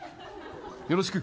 よろしく！